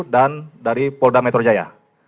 dan dari polda metro jaya